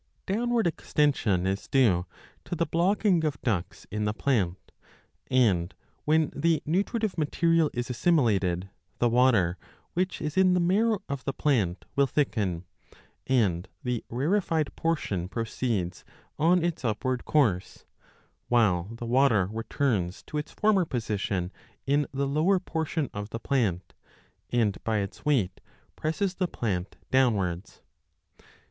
Downward extension is due to the blocking of ducts in the plant, and, when the nutritive material is assimilated, the water, which is in the 40 marrow of the plant, will thicken, and the rarefied portion proceeds on its upward course, while the water returns 828* to its former position in the lower portion of the plant, and by its weight presses the plant downwards.